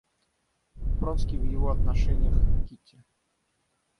Вронский в его отношениях к Кити.